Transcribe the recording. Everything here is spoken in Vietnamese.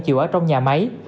chịu ở trong nhà máy